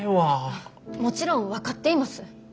もちろん分かっています。